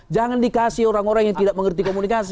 jangan dikasih orang orang yang tidak mengerti komunikasi